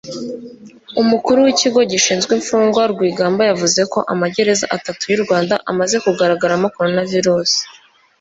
umukuru w'ikigo gishinzwe imfungwa Rwigamba yavuze ko amagereza atatu y'u Rwanda amaze kugaragaramo coronavirus.